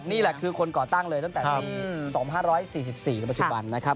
นี่แหละคือคนก่อตั้งเลยตั้งแต่ปี๒๕๔๔ปัจจุบันนะครับ